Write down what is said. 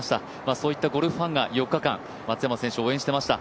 そういったゴルフファンが４日間、松山選手を応援してました。